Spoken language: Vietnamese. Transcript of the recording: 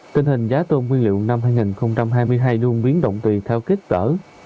tình hình giá tôm nguyên liệu năm hai nghìn hai mươi hai luôn biến động tùy theo kích tở